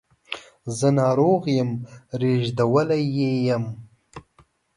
زه ناروغ یم ریږدولی یې یم